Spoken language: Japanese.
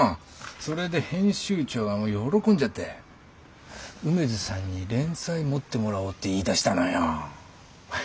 それで編集長がもう喜んじゃって梅津さんに連載持ってもらおうって言いだしたのよ。